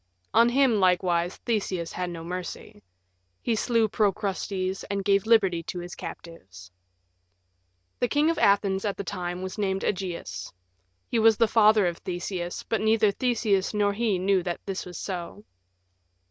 On him, likewise, Theseus had no mercy; he slew Procrustes and gave liberty to his captives. The King of Athens at the time was named Ægeus. He was father of Theseus, but neither Theseus nor he knew that this was so.